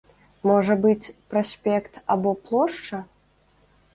Можа быць, праспект або плошча?